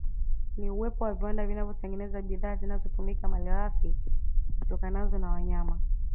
Ni uwepo wa viwanda vinavyotengeneza bidhaa zinazotumia malighafi zitokanazo na wayama